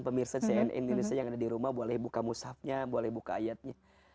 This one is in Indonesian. pemirsa cnn indonesia yang ada di rumah boleh buka musafnya boleh buka ayatnya